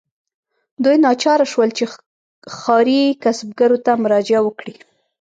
دوی ناچاره شول چې ښاري کسبګرو ته مراجعه وکړي.